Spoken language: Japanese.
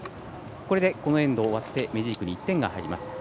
これでこのエンド終わってメジークに１点が入ります。